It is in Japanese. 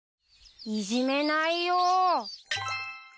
いじめないよ。